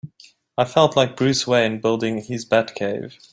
I felt like Bruce Wayne building his Batcave!